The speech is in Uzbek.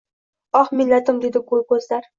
Oh, millatim, deydi bu koʻzlar.